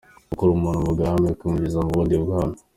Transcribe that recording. Gukura umuntu mu bwami ukamwinjiza mu bundi bwami.